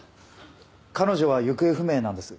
彼女は行方不明なんです。